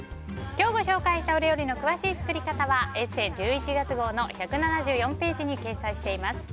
今日ご紹介した料理の詳しい作り方は「ＥＳＳＥ」１１月号の１７４ページに掲載しています。